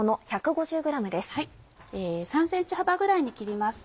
３ｃｍ幅ぐらいに切ります。